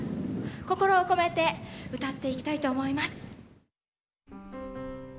心を込めて歌っていきたいと思います。